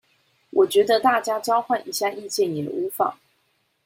我覺得大家交換一下意見也無妨